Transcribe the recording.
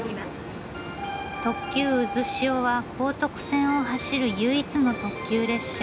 特急うずしおは高徳線を走る唯一の特急列車。